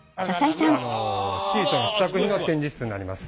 シートの試作品の展示室になります。